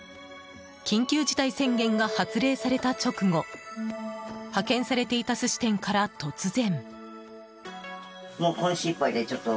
緊急事態宣言が発令された直後派遣されていた寿司店から突然。